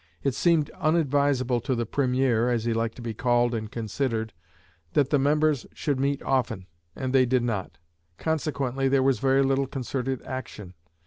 It seemed unadvisable to the Premier as he liked to be called and considered that the members should meet often, and they did not. Consequently there was very little concerted action.